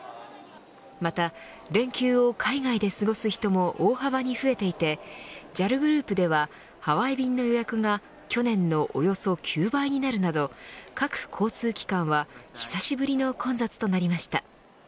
また連休を海外で過ごす人も大幅に増えていてＪＡＬグループではハワイ便の予約が去年のおよそ９倍になるなど各交通機関は久しぶりの混雑となりました。